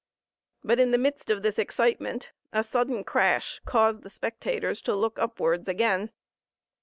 But, in the midst of this excitement, a sudden crash caused the spectators to look upwards again.